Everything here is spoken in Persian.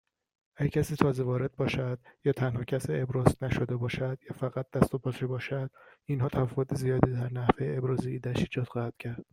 اگر کسی تازهوارد باشد یا تنها کس ابراز نشده باشد، یا فقط دست و پاچه باشد، اینها تفاوت زیادی در نحوه ابراز ایدهاش ایجاد خواهند کرد